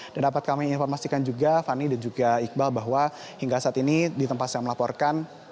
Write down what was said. dan dapat kami informasikan juga fani dan juga iqbal bahwa hingga saat ini di tempat saya melaporkan